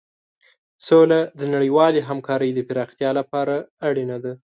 سوله د نړیوالې همکارۍ د پراختیا لپاره اړینه ده.